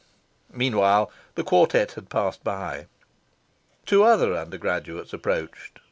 Meanwhile, the quartet had passed by. Two other undergraduates approached.